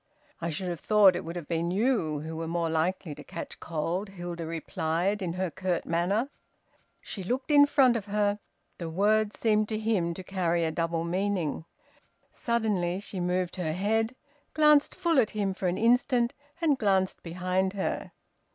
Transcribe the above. "I should have thought it would have been you who were more likely to catch cold," Hilda replied, in her curt manner. She looked in front of her. The words seem to him to carry a double meaning. Suddenly she moved her head, glanced full at him for an instant, and glanced behind her.